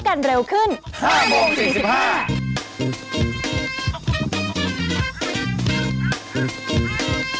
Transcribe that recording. สวัสดีซ่อ